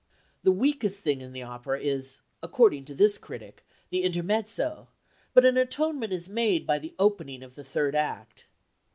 The weakest thing in the opera is, according to this critic, the intermezzo, but an atonement is made by the opening of the third act.